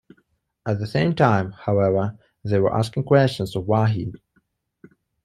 At the same time, however, they were asking questions of Wahid.